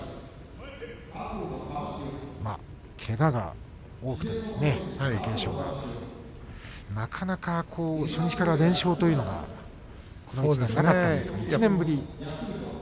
けがが多くて、貴景勝は。なかなか初日から連勝というのはいかなかったんですが１年ぶり。